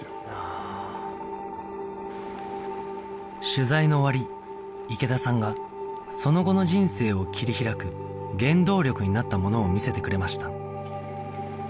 取材の終わり池田さんがその後の人生を切り開く原動力になったものを見せてくれました